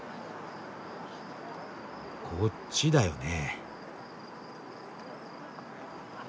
こっちだよね。